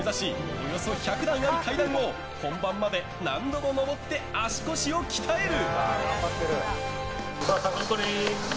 およそ１００段ある階段を本番まで何度も上って足腰を鍛える！